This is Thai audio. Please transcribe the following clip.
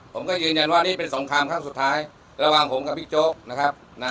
ผมก็ยืนยันว่านี่เป็นสงครามครั้งสุดท้ายระหว่างผมกับพี่โจ๊กนะครับ